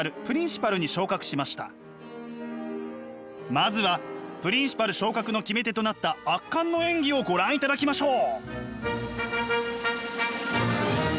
まずはプリンシパル昇格の決め手となった圧巻の演技をご覧いただきましょう！